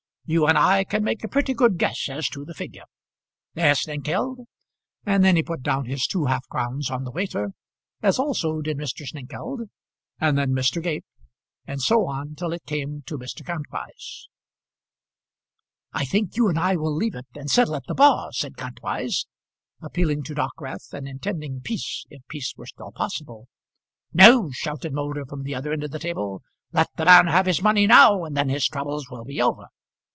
You and I can make a pretty good guess as to the figure; eh, Snengkeld?" And then he put down his two half crowns on the waiter, as also did Mr. Snengkeld, and then Mr. Gape, and so on till it came to Mr. Kantwise. "I think you and I will leave it, and settle at the bar," said Kantwise, appealing to Dockwrath, and intending peace if peace were still possible. "No," shouted Moulder, from the other end of the table; "let the man have his money now, and then his troubles will be over.